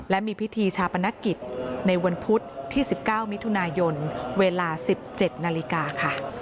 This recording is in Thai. และมีพิธีชาปนกิจในวันพุธที่๑๙มิถุนายนเวลา๑๗นาฬิกาค่ะ